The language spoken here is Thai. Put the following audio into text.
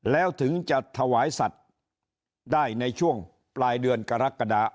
แล้วถึงจะถวายสัตว์ได้ในช่วงปลายเดือนกรกฎา